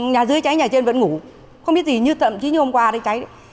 nhà dưới cháy nhà trên vẫn ngủ không biết gì như thậm chí như hôm qua cháy